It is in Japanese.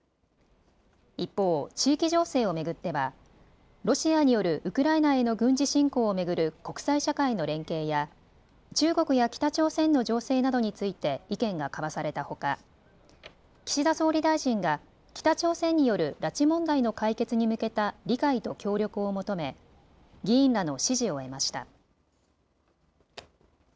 一方、地域情勢を巡ってはロシアによるウクライナへの軍事侵攻を巡る国際社会の連携や中国や北朝鮮の情勢などについて意見が交わされたほか岸田総理大臣が北朝鮮による拉致問題の解決に向けた理解と協力を求め議員らの支持を得ました。